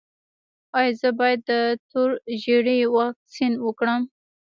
ایا زه باید د تور ژیړي واکسین وکړم؟